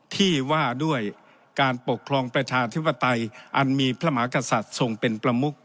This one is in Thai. ที่ว่าด้วยการปกครองประชาธิปไตยอันมีพระมหากษัตริย์ทรงเป็นประมุก